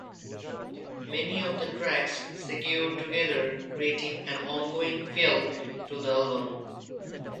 Many of the tracks segue together creating an ongoing feel to the album.